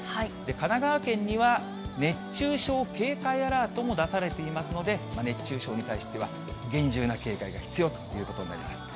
神奈川県には熱中症警戒アラートも出されていますので、熱中症に対しては、厳重な警戒が必要ということになります。